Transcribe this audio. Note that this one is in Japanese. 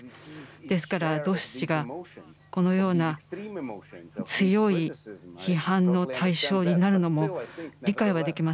ですから、ドーシチがこのような強い批判の対象になるのも理解はできます。